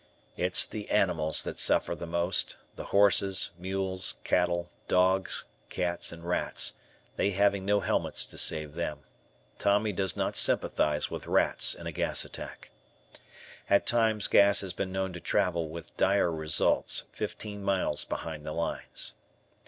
It's the animals that suffer the most, the horses, mules, cattle, dogs, cats, and rats, they having no helmets to save them. Tommy does not sympathize with rats in a gas attack. At times, gas has been known to travel, with dire results, fifteen miles behind the lines.